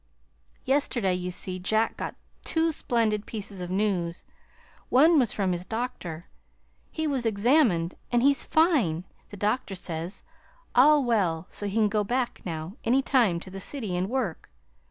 Yesterday, you see, Jack got two splendid pieces of news. One was from his doctor. He was examined, and he's fine, the doctor says; all well, so he can go back, now any time, to the city and work.